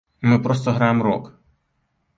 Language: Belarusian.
Мы проста граем рок!